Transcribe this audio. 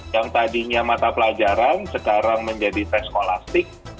yang tadinya mata pelajaran sekarang menjadi tes kolastik